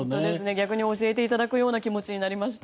逆に教えていただくような気持ちになりました。